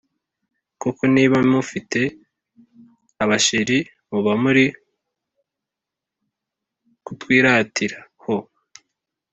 koko niba mufite abasheri muba muri kutwiratiraho